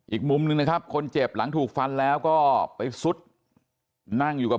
อีกมุมหนึ่งนะครับคนเจ็บหลังถูกฟันแล้วก็ไปซุดนั่งอยู่กับ